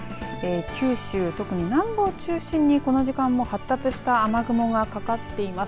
九州、特に南部を中心にこの時間も発達した雨雲がかかっています。